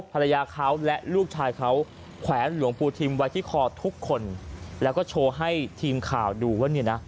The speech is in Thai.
ภรรยาเขาและลูกชายเขาแขวนหลวงปูทิมไว้ที่คอทุกคนแล้วก็โชว์ให้ทีมข่าวดูว่าเนี่ยนะ